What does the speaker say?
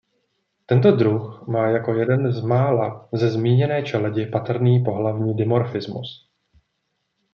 Tento druh má jako jeden z mála ze zmíněné čeledi patrný pohlavní dimorfismus.